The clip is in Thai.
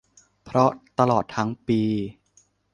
เพราะตลอดทั้งปี